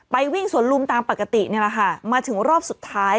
ไปวิ่งสวดลุมตามปกติมาถึงรอบสุดท้าย